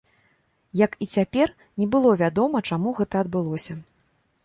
Як і цяпер, не было вядома, чаму гэта адбылося.